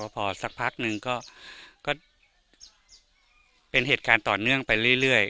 พอสักพักนึงก็เป็นเหตุการณ์ต่อเนื่องไปเรื่อย